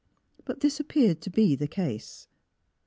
But this appeared to be the case.